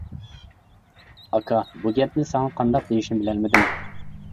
-ئاكا، بۇ گەپنى ساڭا قانداق دېيىشنى بىلەلمىدىم.